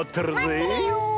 まってるよ！